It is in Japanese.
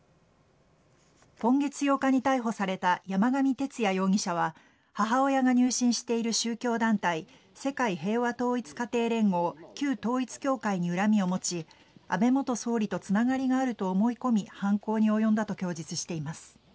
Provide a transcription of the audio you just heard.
今月８日に逮捕された山上徹也容疑者は母親が入信している宗教団体世界平和統一家庭連合＝旧統一教会に恨みを持ち安倍元総理とつながりがあると思い込み犯行に及んだと供述しています。